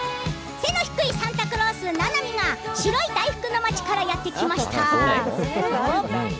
背の低いサンタクロースが白い大福の町からやって来ました。